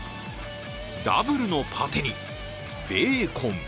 ダブルのパテにベーコン。